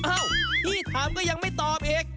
อ้าวพี่ถามก็ยังไม่ตอบเอง